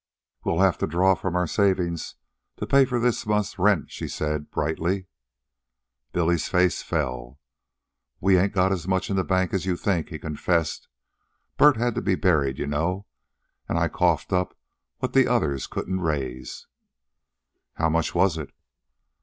"We'll have to draw from our savings to pay for this month's rent," she said brightly. Billy's face fell. "We ain't got as much in the bank as you think," he confessed. "Bert had to be buried, you know, an I coughed up what the others couldn't raise." "How much was it?"